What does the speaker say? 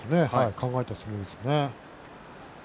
考えた相撲でしたね。